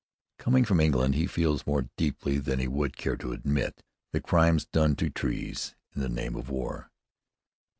Coming from England, he feels more deeply than he would care to admit the crimes done to trees in the name of war.